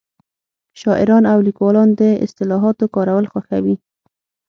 شاعران او لیکوالان د اصطلاحاتو کارول خوښوي